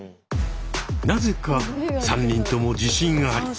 なぜか３人とも自信あり。